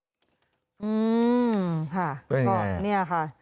เป็นอย่างไรครับนี่ค่ะเป็นอย่างไรครับเป็นอย่างไรครับ